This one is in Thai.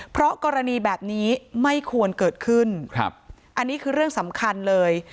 เพราะกรณีแบบนี้ไม่ควรเกิดขึ้นครับอันนี้คือเรื่องสำคัญเลย